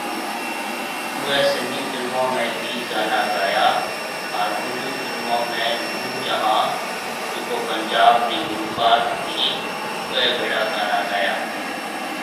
اوئي سنڌي فلمون ۾ بِي گانا گايا هان اردو فلمون ۾ نور جهان جڪو پنجاب ري گلوڪار هتي اوئي ڀيڙا گانا گيا